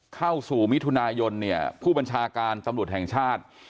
เข้าสู่มิถุนายนเนี่ยผู้บัญชาการตำรวจแห่งชาติ